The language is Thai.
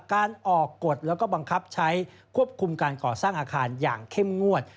การออกกฎแล้วก็บังคับใช้ควบคุมการก่อสร้างอาคารอย่างเข้มงวด